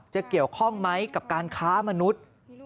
เกี่ยวข้องไหมกับการค้ามนุษย์